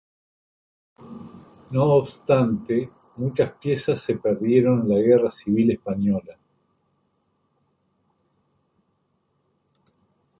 No obstante, muchas piezas se perdieron en la Guerra Civil Española.